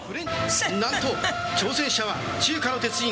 何と挑戦者は中華の鉄人